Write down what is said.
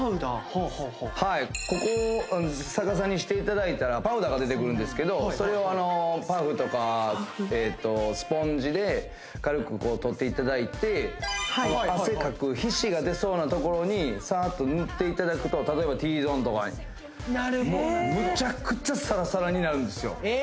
はあはあはあはいここを逆さにしていただいたらパウダーが出てくるんですけどそれをパフとかスポンジで軽くとっていただいて汗かく皮脂が出そうなところにさーっと塗っていただくと例えばＴゾーンとかになるほどなるほどもうムチャクチャサラサラになるんですよえ